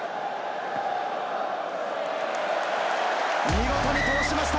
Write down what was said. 見事に通しました。